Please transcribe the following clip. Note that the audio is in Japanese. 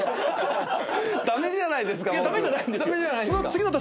駄目じゃないですか僕！